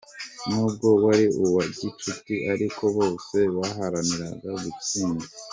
Nubwo wari uwa gicuti ariko bose baharaniraga gutsinda.